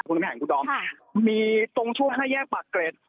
คุณน้ำแข็งคุณดอมค่ะมีตรงช่วงห้าแยกปากเกร็ด